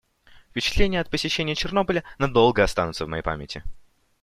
Впечатления от посещения Чернобыля надолго останутся в моей памяти.